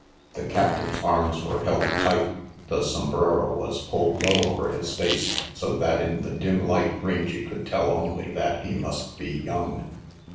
The captive's arms were held tight, the sombrero was pulled low over his face, so that in the dim light Rangy could tell only that he must be young.